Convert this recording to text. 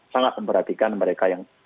sangat memperhatikan mereka yang